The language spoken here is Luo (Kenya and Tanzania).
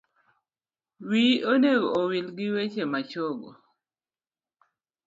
Wiyi onego owil giweche machongo